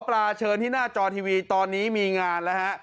ปลาเชิญที่หน้าจอทีวีตอนนี้มีงานแล้วฮะ